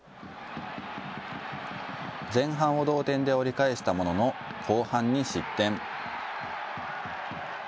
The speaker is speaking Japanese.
前半を同点で折り返したものの後半に失点。